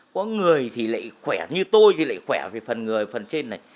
có người thì lại khỏe như tôi thì lại khỏe về phần người phần trên này